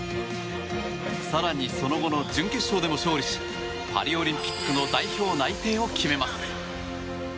更に、その後の準決勝でも勝利しパリオリンピックの代表内定を決めます。